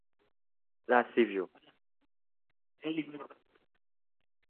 la sivyo